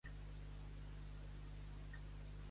Vull que reprodueixis el vídeo que vaig veure fa dues hores.